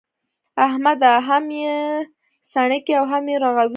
احمده! هم يې سڼکې او هم يې رغوې.